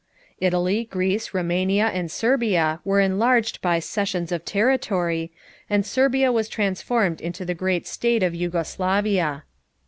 Italy, Greece, Rumania, and Serbia were enlarged by cessions of territory and Serbia was transformed into the great state of Jugoslavia.